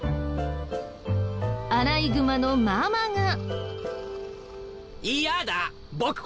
アライグマのママが。